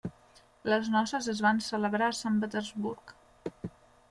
Les noces es van celebrar a Sant Petersburg.